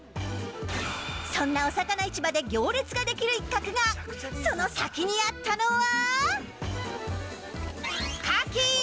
そんなおさかな市場で行列ができる一角がその先にあったのは。